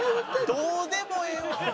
どうでもええわ！